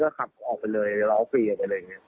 ก็ขับออกไปเลยรอฟรีออกไปเลย